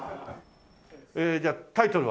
ええじゃあタイトルは？